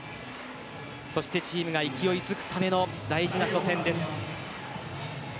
そしてチームが勢いづくための大事な初戦です。